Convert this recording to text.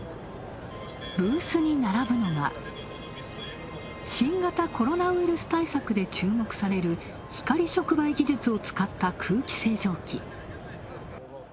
ブースに並ぶのが、新型コロナウイルス対策で注目される光触媒技術を使った空気清浄機。